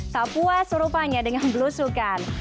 tak puas rupanya dengan belusukan